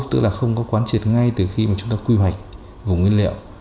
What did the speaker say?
tức là không có quán triệt ngay từ khi mà chúng ta quy hoạch vùng nguyên liệu